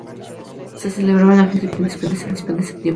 Se celebraban a finales de agosto y principio de septiembre.